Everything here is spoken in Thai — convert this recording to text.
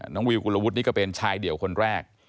วิวกุลวุฒินี่ก็เป็นชายเดี่ยวคนแรก